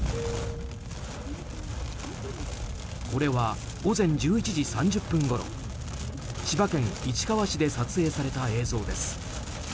これは午前１１時３０分ごろ千葉県市川市で撮影された映像です。